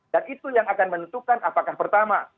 dan itu yang akan menentukan apakah pertama